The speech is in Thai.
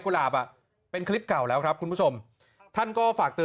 หลาบอ่ะเป็นคลิปเก่าแล้วครับคุณผู้ชมท่านก็ฝากเตือน